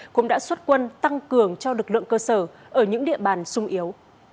cũng đã xuất quân tăng cường cho lực lượng cơ sở ở những địa bàn sung yếu